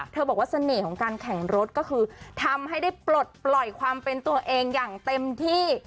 บอกว่าเสน่ห์ของการแข่งรถก็คือทำให้ได้ปลดปล่อยความเป็นตัวเองอย่างเต็มที่